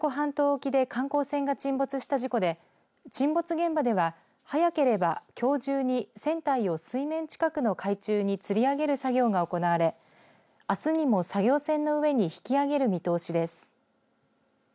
知床半島沖で観光船が沈没した事故で沈没現場では早ければきょう中に船体を水面近くの海中につり上げる作業が行われあすにも作業船の上に引き揚げる見通しです。